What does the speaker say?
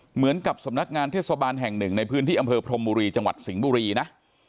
เหมือนกับสำนักงานเทศบาลแห่งหนึ่งในพื้นที่อำเภอพรมบุรีจังหวัดสิงห์บุรีนะ